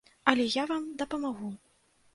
Але я вам дапамагу.